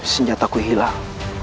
senjata ku hilang